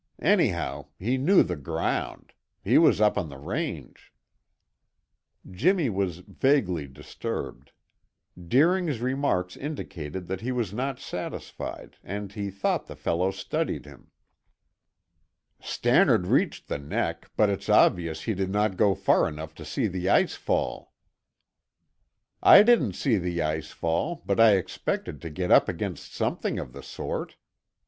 Anyhow, he knew the ground; he was up on the range." Jimmy was vaguely disturbed. Deering's remarks indicated that he was not satisfied and he thought the fellow studied him. "Stannard reached the neck, but it's obvious he did not go far enough to see the ice fall." "I didn't see the ice fall, but I expected to get up against something of the sort.